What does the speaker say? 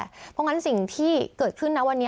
เพราะฉะนั้นสิ่งที่เกิดขึ้นนะวันนี้